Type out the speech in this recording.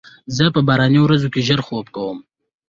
زه په باراني ورځو کې ژر خوب کوم.